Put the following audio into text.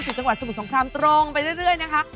จังหวัดสมุทรสงครามตรงไปเรื่อยนะคะ